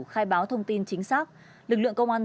khai báo thông tin chính xác lực lượng công an